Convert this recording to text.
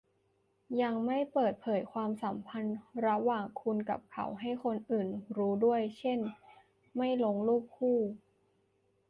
ยังไม่เปิดเผยความสัมพันธ์ระหว่างคุณกับเขาให้คนอื่นรู้ด้วย เช่น ไม่ลงรูปคู่